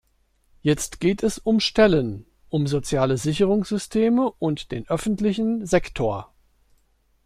Jetzt geht es um Stellen, um soziale Sicherungssysteme und den öffentlichen Sektor.